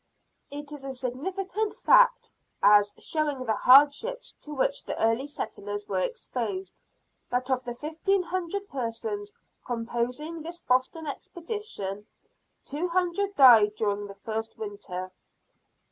It is a significant fact, as showing the hardships to which the early settlers were exposed, that of the fifteen hundred persons composing this Boston expedition, two hundred died during the first winter.